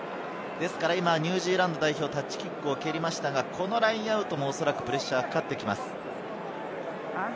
ニュージーランド代表、タッチキックを蹴りましたが、このラインアウトも、おそらくプレッシャーがかかってきます。